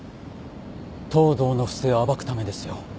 藤堂の不正を暴くためですよ。